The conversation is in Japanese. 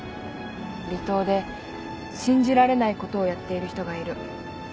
離島で信じられないことをやっている人がいる。